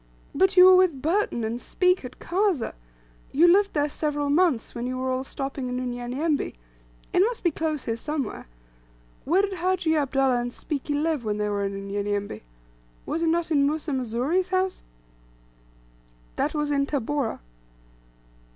"But you were with Burton, and Speke, at Kazeh; you lived there several months, when you were all stopping in Unyanyembe; it must be close here; somewhere. Where did Hajji Abdullah and Spiki live when they were in Unyanyembe? Was it not in Musa Mzuri's house?" "That was in Tabora."